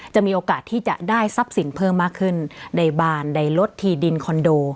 มีโอกาสที่จะได้ทรัพย์สินเพิ่มมากขึ้นในบานในรถที่ดินคอนโด